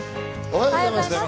おはようございます。